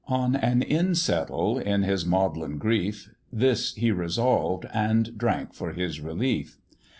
On an inn settle, in his maudlin grief, This he resolved, and drank for his relief.